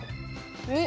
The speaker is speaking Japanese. ２！